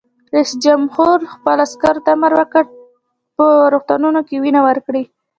رئیس جمهور خپلو عسکرو ته امر وکړ؛ په روغتونونو کې وینه ورکړئ!